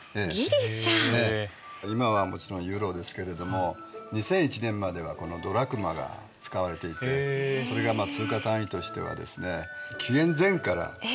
今はもちろんユーロですけれども２００１年まではこのドラクマが使われていてそれが通貨単位としてはですね紀元前から使われてたんです。